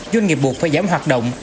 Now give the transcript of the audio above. doanh nghiệp buộc phải giảm hoạt động